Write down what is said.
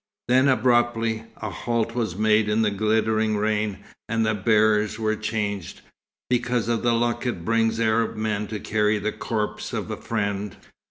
Then, abruptly, a halt was made in the glittering rain, and the bearers were changed, because of the luck it brings Arab men to carry the corpse of a friend.